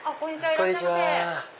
いらっしゃいませ。